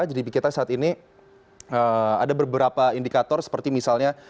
gdp kita saat ini ada beberapa indikator seperti misalnya